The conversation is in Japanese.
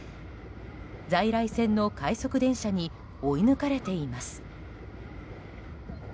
在来線の快速電車に追い抜かれています。